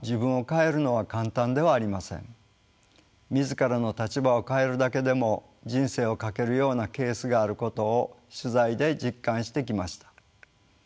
自らの立場を変えるだけでも人生を賭けるようなケースがあることを取材で実感してきました。